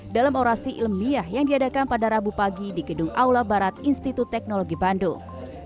dalam orasi ilmiah yang diadakan pada rabu pagi di gedung aula barat institut teknologi bandung